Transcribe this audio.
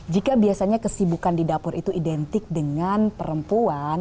jika biasanya kesibukan di dapur itu identik dengan perempuan